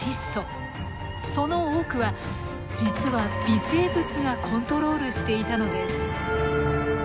その多くは実は微生物がコントロールしていたのです。